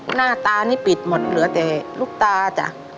หน้าตานี่ปิดหมดเหลือแต่ลูกตาจ้ะ